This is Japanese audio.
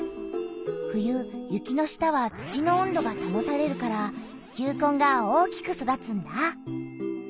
冬雪の下は土の温度がたもたれるから球根が大きく育つんだ！